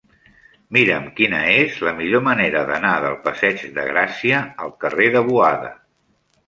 Mira'm quina és la millor manera d'anar del passeig de Gràcia al carrer de Boada.